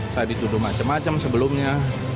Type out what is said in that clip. saya dituduh macam macam sebelumnya